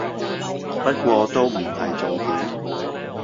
不過都唔係重點